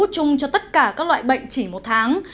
chung cho tất cả các loại bệnh chỉ một tháng